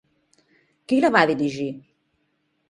Qui la va dirigir?